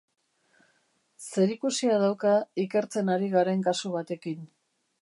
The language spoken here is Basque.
Zerikusia dauka ikertzen ari garen kasu batekin.